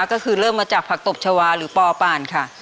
ก็คือเริ่มมาจากผักตบชาวาหรือปอป่านค่ะ